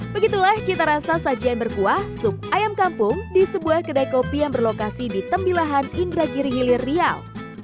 begitulah cita rasa sajian berkuah sup ayam kampung di sebuah kedai kopi yang berlokasi di tembilahan indragiri hilir riau